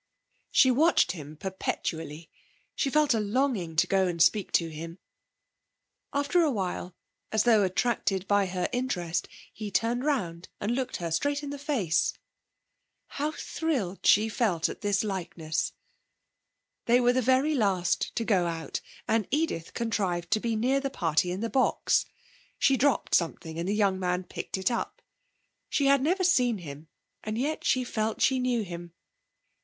She watched him perpetually; she felt a longing to go and speak to him. After a while, as though attracted by her interest, he turned round and looked her straight in the face. How thrilled she felt at this likeness.... They were the very last to go out, and Edith contrived to be near the party in the box. She dropped something and the young man picked it up. She had never seen him, and yet she felt she knew him.